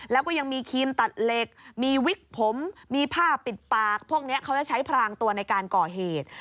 แล้วก็ยังมีครีมตัดเหล็กมีวิกผมมีผ้าปิดปากพวกนี้เขาจะใช้พรางตัวในการก่อเหตุ